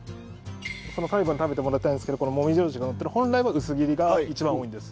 最後に食べてもらいたいんですけどもみじおろしがのってる本来は薄切りが一番多いんです。